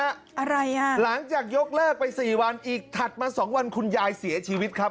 อะไรอ่ะหลังจากยกเลิกไปสี่วันอีกถัดมาสองวันคุณยายเสียชีวิตครับ